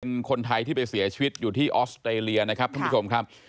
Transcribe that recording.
เป็นคนไทยที่ไปเสียชีวิตอยู่ที่ออสเตรเลียนะครับท่านผู้ชมครับ